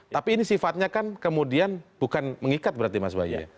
tapi ini sifatnya kan kemudian bukan mengikat berarti mas bayu ya